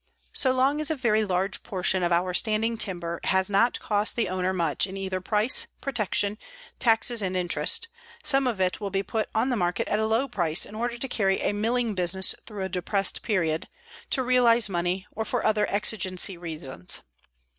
So long as a very large portion of our standing timber has not cost the owner much in either price, protection, taxes and interest, some of it will be put on the market at a low price in order to carry a milling business through a depressed period, to realize money, or for other exigency reasons.